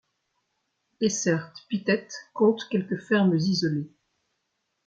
Essert-Pittet compte quelques fermes isolées.